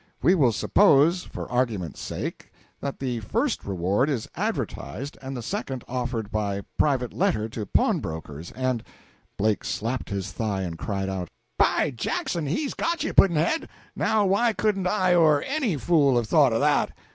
We will suppose, for argument's sake, that the first reward is advertised and the second offered by private letter to pawnbrokers and " Blake slapped his thigh, and cried out "By Jackson, he's got you, Pudd'nhead! Now why couldn't I or any fool have thought of that?"